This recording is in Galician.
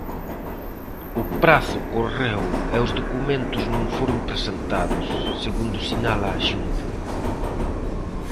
O prazo correu e os documentos non foron presentados, segundo sinala a Xunta.